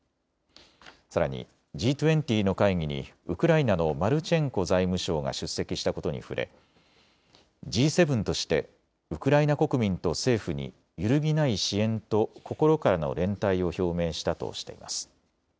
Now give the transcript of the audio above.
さらにＧ２０の会議にウクライナのマルチェンコ財務相が出席したことに触れＧ７としてウクライナ国民と政府に揺るぎない支援と心からの連帯を表明したとしています。